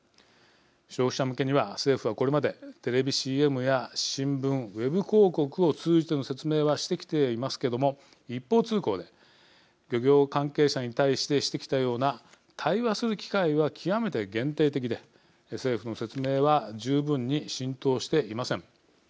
消費者向けには政府はこれまでテレビＣＭや新聞ウェブ広告を通じての説明はしてきていますけども一方通行で漁業関係者に対してしてきたような対話する機会は極めて限定的で政府の説明は十分に浸透していません。